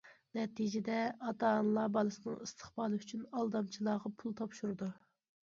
نەتىجىدە، ئاتا- ئانىلار بالىسىنىڭ ئىستىقبالى ئۈچۈن ئالدامچىلارغا پۇل تاپشۇرىدۇ.